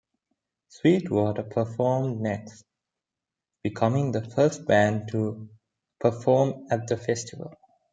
Sweetwater performed next, becoming the first band to perform at the festival.